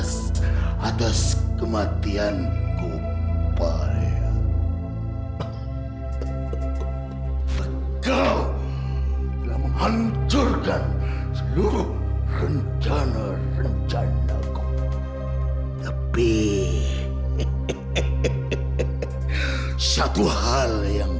sampai jumpa di video selanjutnya